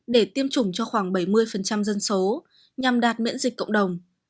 để tiêm chủng cho khoảng bảy mươi dân số nhằm đạt miễn dịch cộng đồng